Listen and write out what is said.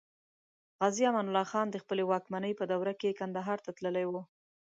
غازي امان الله خان د خپلې واکمنۍ په دوره کې کندهار ته تللی و.